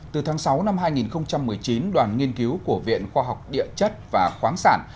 từ tháng sáu năm hai nghìn một mươi chín đoàn nghiên cứu của viện khoa học địa chất và khoáng sản